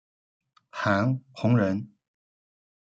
韩弘人。